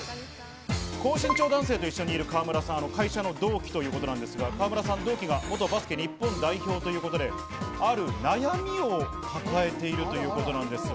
高身長男性と一緒にいる川村さん、会社の同期ということなんですが、元バスケ日本代表ということで、ある悩みを抱えているということなんです。